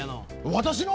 私の！？